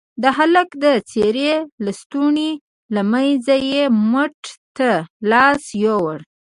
د هلك د څيرې لستوڼي له منځه يې مټ ته لاس يووړ.